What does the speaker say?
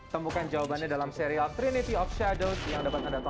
temukan jawabannya dalam serial trinity of shadow yang dapat anda tolak